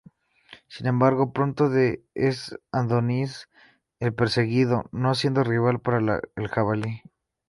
Sin embargo, pronto es Adonis el perseguido, no siendo rival para el jabalí.